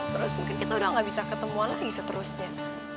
terus mungkin kita udah gak bisa ketemuan lagi seterusnya